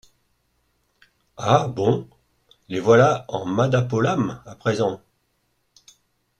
Ah ! bon ! les voilà en madapolam, à présent.